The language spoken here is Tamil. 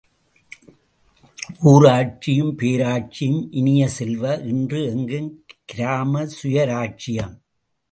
ஊராட்சியும் பேராட்சியும் இனிய செல்வ, இன்று எங்கும் கிராம சுயராஜ்யம்.